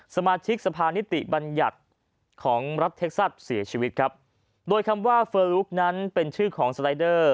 สมาชิกสภานิติบัญญัติของรัฐเท็กซัสเสียชีวิตครับโดยคำว่าเฟอร์ลุกนั้นเป็นชื่อของสไลเดอร์